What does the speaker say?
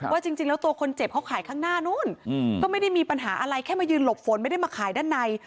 ว่าจริงแล้วตัวคนเจ็บเขาขายข้างหน้านู้นก็ไม่ได้มีปัญหาอะไรแค่มายืนหลบฝนไม่ได้มาขายด้านใน